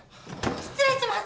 失礼します